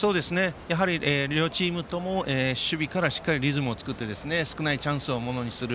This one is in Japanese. やはり、両チームとも守備からしっかりリズムを作って少ないチャンスをものにする。